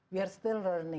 kita masih belajar